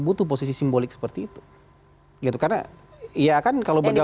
butuh posisi simbolik seperti itu gitu karena ya